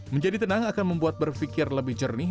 menjadi tenang akan membuat berpikir lebih jernih